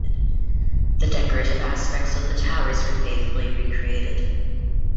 The decorative aspects of the towers were faithfully recreated.